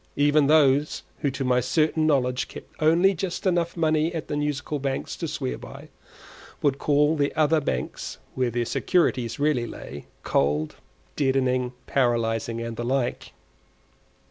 Even those who to my certain knowledge kept only just enough money at the Musical Banks to swear by, would call the other banks (where their securities really lay) cold, deadening, paralysing, and the like.